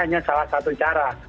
hanya salah satu cara